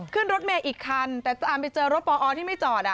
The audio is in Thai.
ขึ้นรถเมย์อีกคันแต่ตามไปเจอรถปอที่ไม่จอด